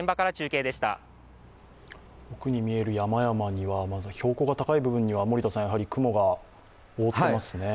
奥に見える山々には標高が高い部分にはやはり雲が覆ってますね。